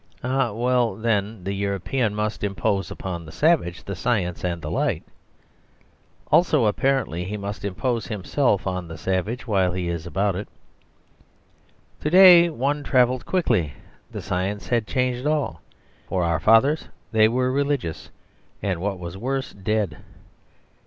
Eh, well then, the European must impose upon the savage the science and the light. Also (apparently) he must impose himself on the savage while he is about it. To day one travelled quickly. The science had changed all. For our fathers, they were religious, and (what was worse) dead.